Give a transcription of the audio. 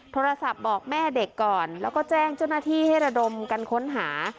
โทรศัพท์บอกแม่เด็กก่อนแล้วก็แจ้งเจ้าหน้าที่ให้ระดมกันค้นหา